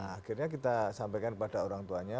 akhirnya kita sampaikan kepada orang tuanya